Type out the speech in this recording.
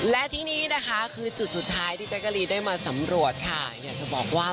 และที่นี่นะคะคือจุดสุดท้ายที่แจ๊กกะรีนได้มาสำรวจค่ะอยากจะบอกว่า